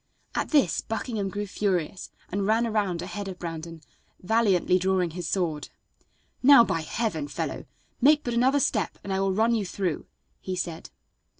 At this Buckingham grew furious and ran around ahead of Brandon, valiantly drawing his sword. "Now, by heaven! fellow, make but another step and I will run you through," he said.